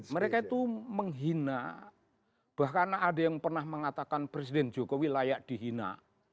mereka itu menghina bahkan ada yang pernah mengatakan presiden jokowi layak dihina